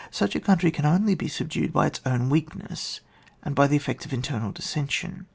Such a country can only be subdued by its ovn weakness, and by the effects of internal dissension.